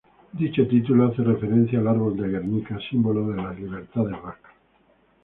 Elo título hace referencia al Árbol de Guernica símbolo de las libertades vascas.